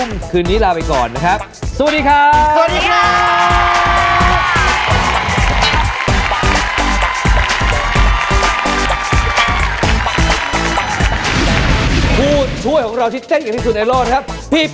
เมื่อร้องเพลงก็ไม่รู้เรื่องเลย